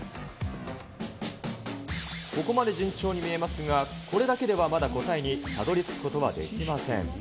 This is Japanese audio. ここまで順調に見えますが、これだけではまだ答えにたどりつくことはできません。